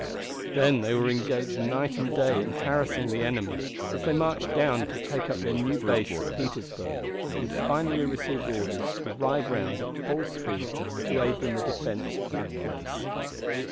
Then they were engaged night and day in harassing the enemy as they marched down to take up their new base at Petersburg, and finally received orders to ride round at full speed to aid in the defense of that place.